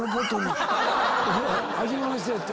初めましてって。